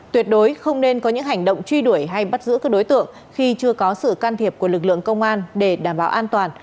tuyệt đối không nên có những hành động truy đuổi hay bắt giữ các đối tượng khi chưa có sự can thiệp của lực lượng công an để đảm bảo an toàn